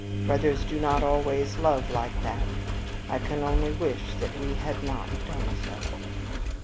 Brothers do not always love like that: I can only wish that we had not done so.